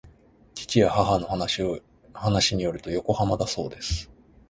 父や母の話によると横浜だそうです